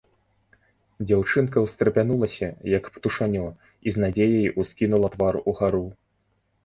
Дзяўчынка ўстрапянулася, як птушанё, і з надзеяй ускінула твар угару.